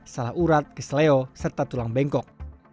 salah urat keseleo serta tulang bengkok